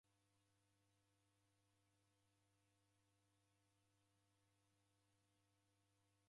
Ihi ng'ombe yaw'iaja kii aha, na nyasi riseko?